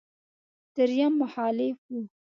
درېيم مخالف و.